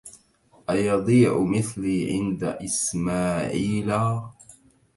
أيضيع مثلي عند اسماعيلا